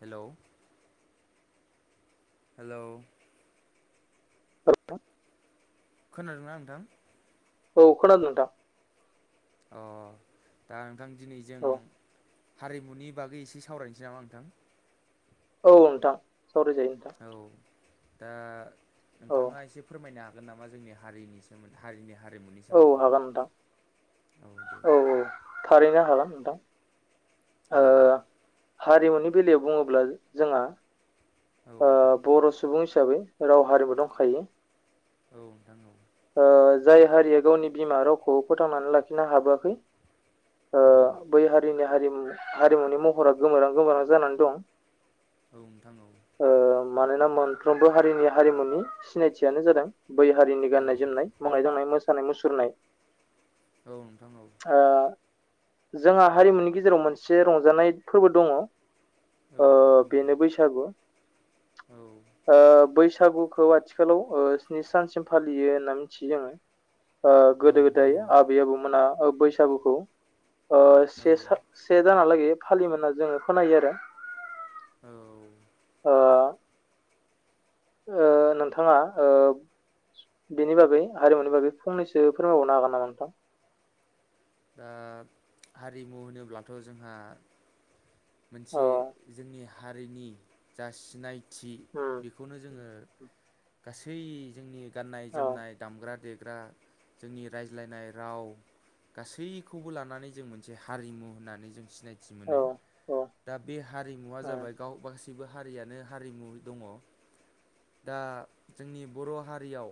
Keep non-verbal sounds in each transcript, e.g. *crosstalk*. Hello hello *unintelligible* खोनादों ना नोंथां औ खोनादों नोंथां अ दा नोंथां दिनै जों औ हारिमुनि बागै एसे सावरायनोसै नामा नोंथां औ नोंथां सावराय जायो नोंथां औ दा औ नोंथाङा एसे फोरमायनो हागोन नामा जोंनि हारिनि सोमोन हारिनि हारिमुनि औ सोमोन्दै हागोन नोंथां औ दे औ थारैनो हागोन नोंथां औ। ओ हारिमुनि बेलायाव बुङोब्ला जोंहा औ ओ नोंथां बर' सुबुं हिसाबै राव हारिमु दंखायो। औ नोंथां औ। ओ जाय हारिया गावनि बिमा रावखौ फोथांनानै लाखिनो हाबोआखै ओ औ बै हारिनि हारिमु -हारिमुनि महरा गोमोरहां- गोमोरहां जानानै दं। औ नोंथां औ। ओ मानोना मोनफ्रोमबो हारिनि हारिमुनि सिनायथियानो जादों बै हारिनि औ नोंथां औ गाननाय जोमनाय मावनाय -दांनाय, मोसानाय -मुसुरनाय। औ नोंथां औ। ओ जोंहा हारिमुनि गेजेराव मोनसे रंजानाय फोरबो दङ। ओ औ औ बेनो बैसागु ओ *unintelligible* बैसागुखौ आथिखालाव स्नि सानसिम फालियो होनना मिथियो जोङो। ओ गोदो नोंथां -गोदाय औ आबै -आबौमोना बैसागुखौ ओ औ से सा से दानहालागै फालिमोन होनना जोङो खोनायो आरो। औ। ओ ओ नोंथाङा ओ बिनि बागै हारिमुनि बागै फंनैसो फोरमायबावनो हागोन नामा नोंथां? दा हारिमु होनोब्लाथ' जोंहा औ मोनसे जोंनि हारिनि जा सिनाय *unintelligible* उम बेखौनो जोङो गासै जोंनि गाननाय- औ जोमनाय दामग्रा *unintelligible* *unintelligible* जोंनि रायज्लायनाय राव गासैखौबो लानानै जों मोनसे हारिमु होननानै जों सिनायथि औ मोनो। औ दा बे हारिमुवा उम जाबाय गाव *unintelligible* हारियानो हारिमु दङ। दा जोंनि बर' हारियाव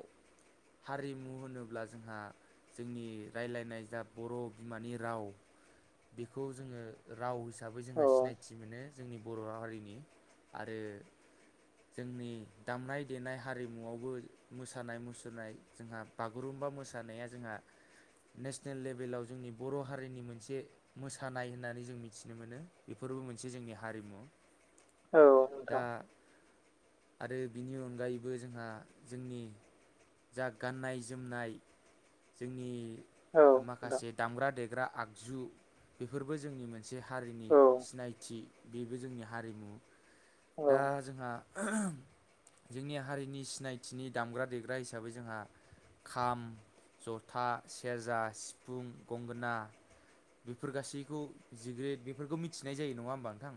हारिमु होनोब्ला जोंहा, जोंनि रायलायनाय जा बर' बिमानि राव। बेखौ जोङो राव हिसाबै जोंहा औ सिनायथि मोनो। जोंनि बर' हारिनि आरो जोंनि दामनाय -देनाय, हारिमुआवबो मोसानाय मुसुरनाय, जोंहा बागुरुम्बा मोसानाया जोंहा नेसनेल लेबेलाव जोंनि बर' हारिनि मोनसे मोसानाय होननानै जों मिथिनो मोनो। बेफोरबो मोनसे जोंनि हारिमु औ दा नोंथां आरो बिनि अनगायैबो जोंहा, जोंनि जा गाननाय- जोमनाय जोंनि औ नोंथां माखासे दामग्रा- देग्रा आगजु बेफोरबो जोंनि मोनसे हारिनि औ सिनायथि, बेबो जोंनि हारिमु औ दा जोंहा जोंनि हारिनि सिनायथिनि दामग्रा- देग्रा हिसाबै जोंहा खाम, जथा, सेरजा, सिफुं, गंगोना। बेफोर गासैखौ जिग्रेद बेफोरखौ मिथिनाय जायो। नङा होमबा नोंथां?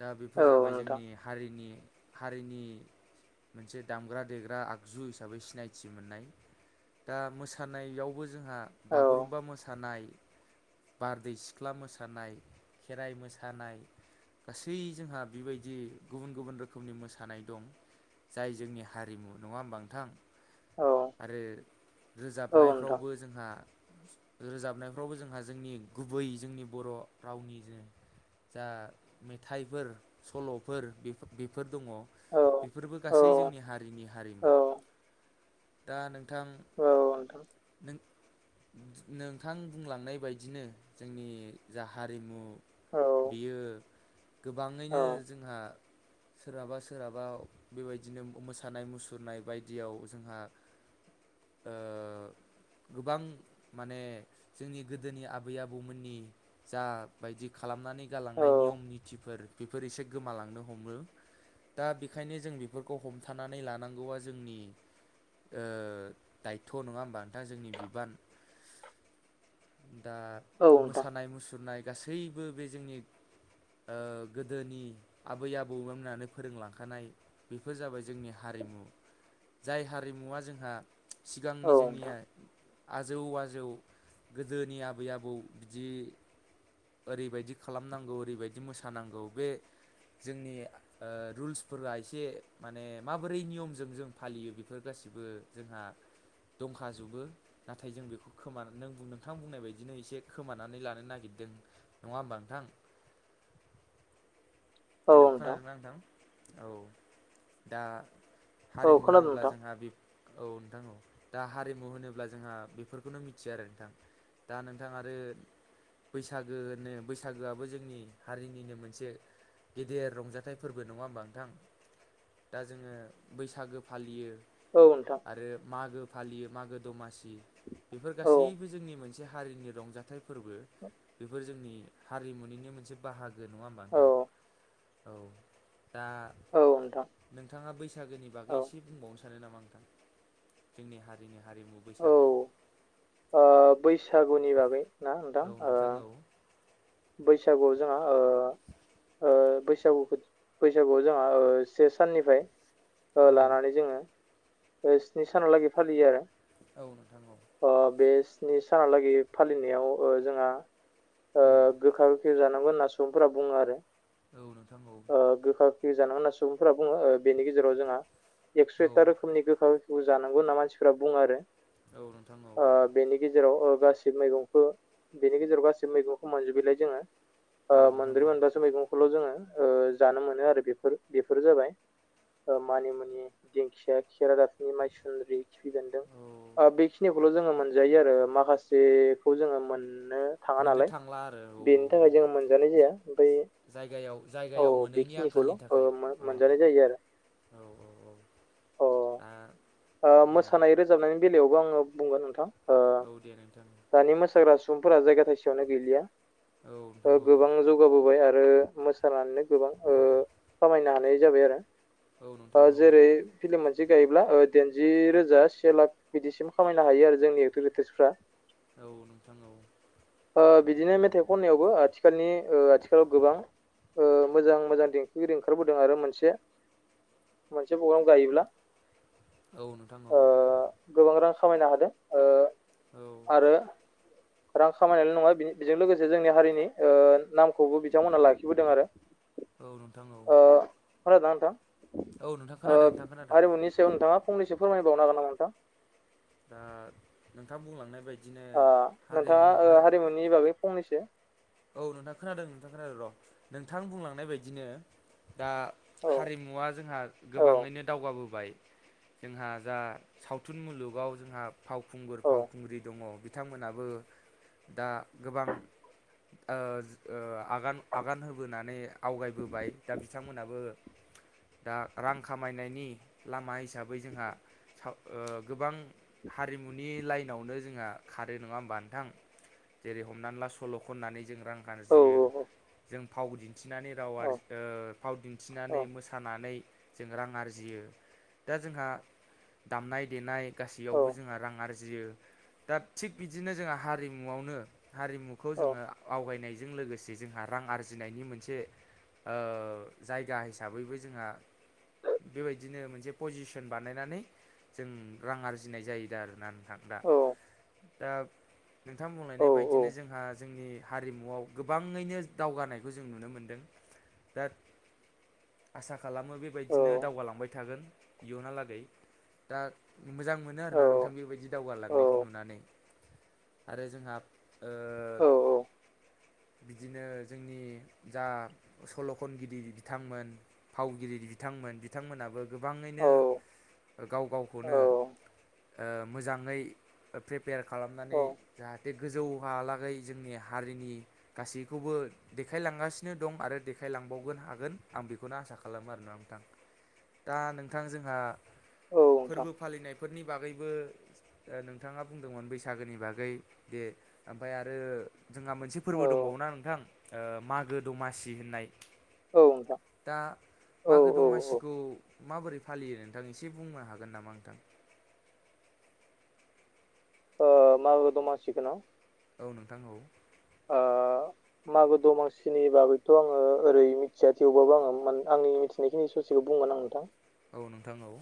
दा औ बेफोर जाबाय नोंथां जोंनि हारिनि- हारिनि मोनसे दामग्रा -देग्रा आगजु हिसाबै सिनायथि मोननाय। दा मोसानायावबो जोंहा, औ बागुरुम्बा मोसानाय। बारदै सिख्ला मोसानाय, खेराइ मोसानाय गासै जोंहा बेबायदि गुबुन -गुबुन रोखोमनि मोसानाय दं। जाय जोंनि हारिमु। नङा होनबा नोंथां? औ आरो औ नोंथां रोजाबनायफ्रावबो जोंहा रोजाबनायफ्रावबो जोंहा, जोंनि गुबै जोंनि बर' रावनि *unintelligible* जा मेथाइफोर सल'फोर बेफोर दङ। औ बेफोरबो औ गासैबो बै जोंनि हारिनि हारिमु औ दा नोंथां औ नोंथां नों नोंथां बुंलांनाय बायदिनो जोंनि जा हारिमु औ बियो औ गोबाङैनो जोंहा सोरहाबा सोरहाबा बेबायदिनो मोसानाय मुसुरनाय बायदियाव जोंहा ओ गोबां माने जोंनि गोदोनि आबै आबौमोननि जा बायदि खालामनानै औ गालांनाय नियम नितिफोर बेफोर एसे गोमालांनो हमो दा बेखायनो जों बेफोरखौ हमथानानै लानांगौआ जोंनि ओ दायथ' नङा होमबा दा जोंनि बिबान दा औ नोंथां मोसानाय मुसुरनाय गासैबो बे जोंनि ओ गोदोनि आबै आबौमोनानो फोरोंलांखानाय बेफोर जाबाय जोंनि हारि मु जाय हारिमुवा जोंहा सिगांनि औ जोंनिया नोंथां आजौ आजौ गोदोनि आबै आबौ बिदि ओरैबायदि खालामनांगौ ओरैबायदि मोसानांगौ बे जोंनि ओ रुल्सफोरा एसे माने माबोरै नियमजों जों फालियो बेफोर गासै- बो जोंहा दंखाजोबो नाथाय जों बेखौ खोमा नों नोंथां बुंनाय बायदिनो एसे खोमानानै लानो नागिरदों नङा होमबा नोंथां हेलौ खोनादोंना नोंथां औ दा औ हारिमु खोनादों होनोब्ला नोंथां जोंहा बे औ नोंथां औ दा हारिमु होनोब्ला जोंहा बेफोरखौनो मिथियो आरो नोंथां दा नोंथां आरो बैसागो बैसागोआबो जोंनि हारिनिनो मोनसे गेदेर रंजाथाइ फोरबो नङा होमबा नोंथां दा जोङो बैसागो फालियो औ नोंथां आरो मागो फालियो मागो दमासि बेफोर औ गासैबो जोंनि मोनसे हारिनि रंजाथाइ फोरबो बेफोर जोंनि हारिमुनिनो मोनसे बाहागो लोगो नङा हबा औ नोंथां औ दा औ नोंथां नोंथाङा बै- सागोनि बागै औ एसे बुंबावनो सानो नामा नोंथां जोंनि हारिनि हारिमु औ बैसागो ओ बैसागुनि बागै ना औ नोंथां ओ औ बैसागु जोंहा ओ बैसागुखो बैसागुआव जोंहा से साननिफ्राय औ लानानै जोङो स्नि सानालागै फालियो औ नोंथां औ ओ बे स्नि सानहालागै फालिनायाव ओ जोंहा ओ उम गोखा गोखै जाना- होना सुबुंफोरा बुङो आरो औ नोंथां औ ओ गोखा गोखै जांगो सुबुंफोरा बुङो बेनि गेजेराव जोंहा एकस' औ एकता रोखोमनि गोखा जानांगौ होनना मानसिफ्रा बुङो आरो औ नोंथां औ औ औ गासिबो मैगंखौ बिनि गेजेराव गासैबो मैगंखौ मोनजोबैलाय जोङो औ ओ नोंथां मोनब्रै औ मोनबासो मैगंखौल' जोङो ओ जानो मोनो आरो बेफोर बेफोरो जाबाय मानिमुनि दिंखिया खेरा दाफिनि माइसुन्द्रि खिफिबेनदों औ बेखिनिखौल' जोङो मोनजायो आरो माखासेखौ जोङो मोन- मोननो थाङा मोननो नालाय थांला आरो औ औ बेनि औ थाखाय जोङो मोनजानाय जाया बै जायगायाव जायगायाव मोनैनि आंखालनि ओ थाखाय मो- औ मोनजानाय जायो आरो औ औ औ अ दा ओ उम मोसानाय रोजाबनायनि बेलायावबो आङो बुंगोन नोंथां ओ औ दे नोंथां दानि मोसाग्रा सुबुंफोरा जायगा थाइसेयावनो गैलिया औ नोंथां ओ औ गोबां जौगाबोबाय आरो ओ मोसानानैनो गोबां ओ खामायनो हानाय जाबाय आरो। औ नोंथां ओ औ जेरै फिल्म मोनसे गायोब्ला ओ दाइनजि रोजा से लाख बिदिसिम खामायनो हायो आरो जोंनि एक्ट्रिकेटारसफ्रा। औ नोंथां औ। ओ बिदिनो मेथाइ खननायावबो आथिखालनि ओ आथिखालाव गोबां ओ मोजां मोजां देंखोगिरि ओंखारबोदों आरो मोनसे मोनसे प्रग्राम गायोब्ला औ नोंथां औ। ओ गोबां रां खामायनो हादों। ओ औ। आरो रां खामायल' नङा बि बेजों लोगोसे जोंनि हारिनि नामखौबो बिथांमोनहा लाखिबोदों आरो। औ नोंथां औ। ओ खोनादोंना नोंथां? औ नोंथां ओ खोनादों नोंथां खोनादों हारिमुनि सायाव नोंथाङा फंनैसो फोरमायबावनो हागोन नामा नोंथां? दा नोंथाङा बुंलांनाय बायदि ओ नोंथाङा ओ हारिमुनि बागै फंनैसो औ नोंथां खोनादों नोंथां खोनादों र' नोंथां बुंलांनाय बायदिनो दा औ हारिमुवा जोंहा औ गोबाङैनो दावगाबो बाय। जोंहा जा सावथुन मुलुगाव जोंहा फावखुंगुर औ फावखुंग्रि दङ' बिथांमोनाबो दा गोबां ओ ओ आगान आगान होबोनानै आवगायबोबाय दा बिथांमोनहाबो दा रां खामायनायनि लामा हिसाबै जोंहा थां गोबां हारिमुनि लाइनावनो जोंहा खारो नङा होमबा नोंथां? जेरै हमनानै ला सल' खननानै जों रां औ आरजियो जों फाव दिन्थिनानै राव औ आरजि ओ फाव औ दिन्थिनानै मोसानानै जों रां आरजियो। दा जोंहा दामनाय देनाय औ गासैयावबो जोंहा रां आरजियो। दा थिग बिदिनो जोंहा हारिमुआवनो हारिमु खौ जोङो आवगायनायजों लोगोसे जोंहा रां आरजिनायनि मोनसे ओ जायगा हिसाबैबो जोंहा बेबायदिनो मोनसे पजिसन बानायनानै जों रां आरजिनाय जायोदा आरोना नोंथां दा। औ दा नोंथां औ बुंलायनाय बायदिनो जोंहा जोंनि हारिमुआव गोबाङैनो दावगानायखौ जों नुनो मोनदों। दा आसा खालामो बेबायदिनो दावगालांबाय थागोन इयुनालागै दा मोजां मोनो औ आरो ना नोंथां बेबायदि दावगालांनायखौ नुनानै। आरो जोंहा ओ बिदिनो जोंनि जा सल'खनगिरि बिथांमोन फावगिरि बिथांमोन बिथांमोनाबो गोबाङैनो औ गाव गावखौनो औ ओ मोजाङै प्रिपेयार औ खालामनानै जाहाथे गोजौहालागै जोंनि हारिनि गासैखौबो देखायलांगासिनो दं आरो देखायलांबावगोन हागोन। आं बेखौनो आसा खालामो आरो ना आं नोंथां। दा नोंथां जोंहा औ नोंथां फोरबो फालिनायफोरनि बागैबो ओ नोंथाङा बुंदोंमोन बैसागोनि बागै दे ओमफ्राय आरो जोंहा मोनसे फोरबो औ दंबावो ना नोंथां ओ मागो दमासि होननाय। औ नोंथां दा औ मागो औ औ दमासिखौ माबोरै फालियो नोंथां एसे बुंनो हागोन नामा नोंथां? ओ मागो दमासिखो न'? औ नोंथांखौ औ। ओ मागो दमासिनि बागैथ' आङो ओरै मिथिया थेवबाबो आङो म आंनि मिथिनायखिनि ससेखौ बुं बुंगोन आं नोंथां। औ नोंथां औ।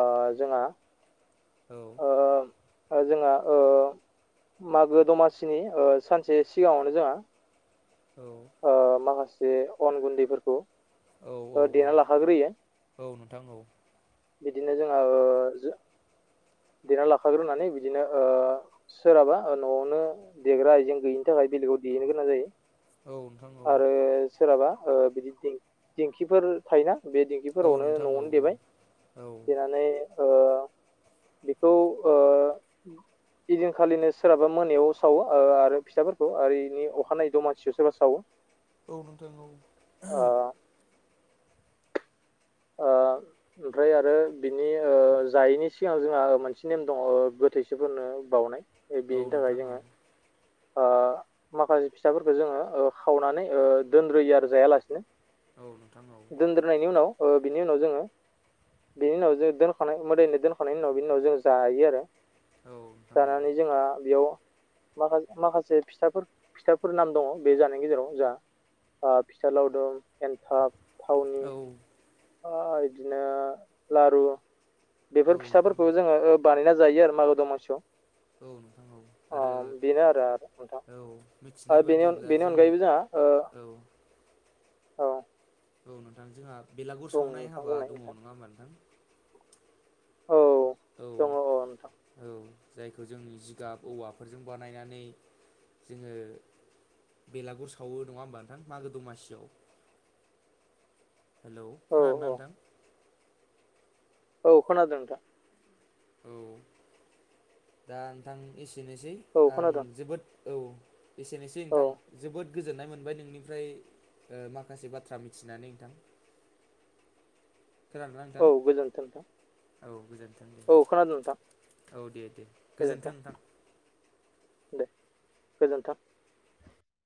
ओ जोंहा ओ ओ जोंहा ओ मागो दमासिनि ओ सानसे सिगाङावनो जोंहा औ ओ माखासे अन गुन्दैफोरखौ औ औ ओ औ देना लाखाग्रोयो। औ नोंथां औ बिदिनो जोङो ओ देना लाखाग्रोनानै बिदिनो ओ सोरहाबा ओ न'आवनो देग्रा आइजें गैयिनि थाखाय बेलेगाव बिहैनो गोनां जायो। औ नोंथां औ। आरो सोरहाबा ओ बिदि दिं दिंखिफोर थायोना? बे औ दिंखिफोरावनो नोंथां न'आवनो औ औ देबाय। औ देनानै ओ बेखौ ओ इदिनखालिनो सोरहाबा मोनायाव सावो ओ आरो फिथसाफोरखौ आरो इनि अखानायै दमासि सोरबा सावो। औ नोंथां औ। ओ ओ ओमफ्राय आरो बिनि ओ जायैनि सिगां जोंहा मोनसे नेम दङ। थैसिफोरनो बावनाय औ बेनि थाखाय नोंथां औ नोंथां औ जोङो ओ माखासे फिथाफोरखौ जोङो ओ खावनानै ओ दोनग्रोयो आरो जायालासिनो। औ नोंथां औ। दोनद्रोनायनि उनाव ओ बिनि उनाव जोङो बिनि उनाव जों दोनखानाय मोदायनो दोनखांनायनायनि उनाव बिनि उनाव जों जायो आरो। औ जानानै जोंहा बेयाव माखा माखासे फिथाफोर फिथाफोर नाम दङ बे जानायनि गेजेराव जाहा ओ फिथा लावदुम एन्थाब, थावनि औ ओमफाय बिदिनो लारु औ बेफोर नोंथां औ फिथाफोरखौ जोङो ओ बानायना जायो आरो मागो दमासियाव। औ नोंथां औ अ आरो बेनो आरो नोंथां औ मिथिनाय आरो बेनि बायदिब्ला बेनि जों अनगायैबो जोंहा ओ *inaudible* औ औ नोंथां जोंहा बेलागुर बुं सावनाय नोंथां हाबा बुंनाय दङ नोंथां नङा होमबा नोंथां? औ औ दङ औ नोंथां औ जायखौ जों जिगाब औवाफोरजों बानायनानै जोङो बेलागुर सावो नङा होमबा नोंथां मागो दमासियाव हेल' औ खोनादों ना औ नोंथां? औ खोनादों नोंथां। औ दा नोंथां ए सेनोसै औ आं खोनादों जोबोद औ एसेनोसै औ नोंथां जोबोद गोजोन्नाय मोनबाय नोंनिफ्राय ओ माखासे बाथ्रा मिथिनानै नोंथां। खोनादोंना औ नोंथां? गोजोन्थों नोंथां औ गोजोनथों दे औ खोनादों नोंथां औ दे दे गोजोनथों गोजोन्थों नोंथां। दे गोजोन्थों।